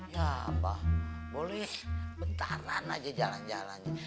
ya apa boleh bentaran aja jalan jalan